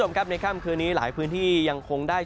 ส่วนครับในค่ำคือนี้หลายพื้นที่ยังคงได้